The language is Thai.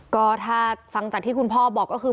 ก็ถ้าฟังจากที่คุณพ่อบอกก็คือ